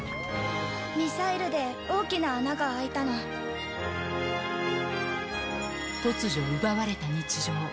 ミサイルで大きな穴が開いた突如、奪われた日常。